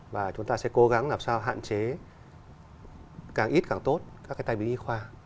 và chúng ta sẽ cố gắng làm sao hạn chế càng ít càng tốt các cái tay biến y khoa